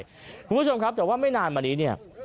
คุณผู้ชมครับแต่ว่าไม่นานมานี้เนี่ย